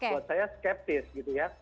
buat saya skeptis gitu ya